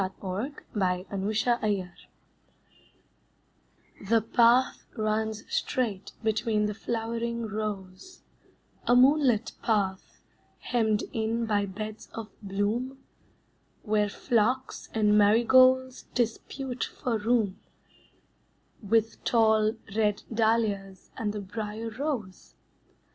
The Fruit Garden Path The path runs straight between the flowering rows, A moonlit path, hemmed in by beds of bloom, Where phlox and marigolds dispute for room With tall, red dahlias and the briar rose.